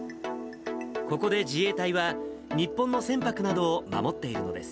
ここで自衛隊は、日本の船舶などを守っているのです。